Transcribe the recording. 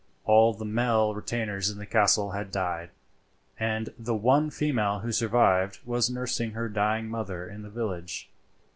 All the male retainers in the castle had died, and the one female who survived was nursing her dying mother in the village.